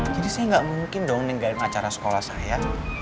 jadi saya gak mungkin dong ninggalin acara sekolah saya